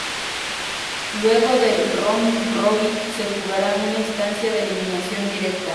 Luego del "round-robin", se jugará una instancia de eliminación directa.